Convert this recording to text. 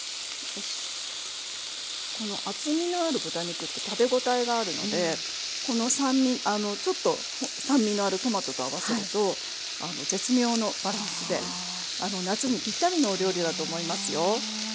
この厚みのある豚肉って食べ応えがあるのでちょっと酸味のあるトマトと合わせると絶妙のバランスで夏にぴったりのお料理だと思いますよ。